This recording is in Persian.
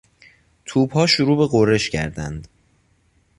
توپها شروع به غرش کردند.